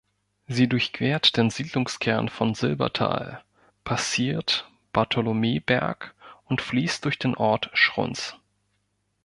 Sie durchquert den Siedlungskern von Silbertal, passiert Bartholomäberg, und fließt durch den Ort Schruns.